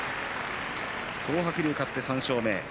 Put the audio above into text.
東白龍勝って３勝目。